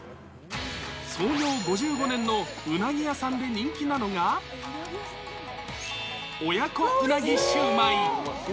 創業５５年のうなぎ屋さんで人気なのが、親子うなぎしゅうまい。